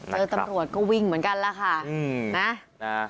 เจอตำลวดก็วิ่งเหมือนกันแล้วค่ะอืมนะฮะ